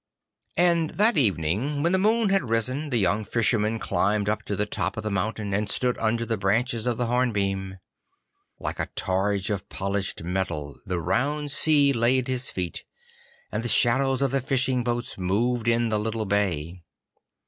And that evening, when the moon had risen, the young Fisherman climbed up to the top of the mountain, and stood under the branches of the hornbeam. Like a targe of polished metal the round sea lay at his feet, and the shadows of the fishing boats moved in the little bay.